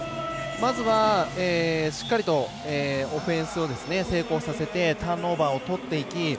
まずは、しっかりとオフェンスを成功させてターンオーバーをとっていき